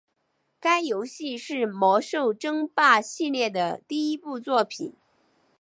该游戏是魔兽争霸系列的第一部作品。